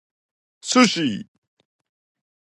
Sushi